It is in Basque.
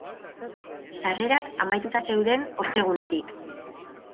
Sarrerak amaituta zeuden ostegunetik.